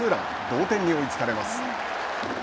同点に追いつかれます。